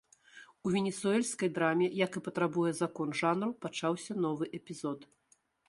У венесуэльскай драме, як і патрабуе закон жанру, пачаўся новы эпізод.